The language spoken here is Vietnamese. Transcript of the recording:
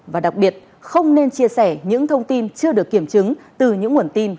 và đặc biệt không nên chia sẻ những thông tin chưa được kiểm chứng từ những nguồn tin